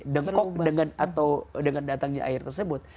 dengkok dengan datangnya air tersebut